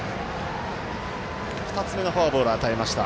２つ目のフォアボールを与えました